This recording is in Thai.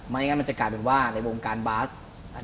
มักไยงั้นก็จะกลายเป็นว่าในวงการบราซเดินสายเนี่ย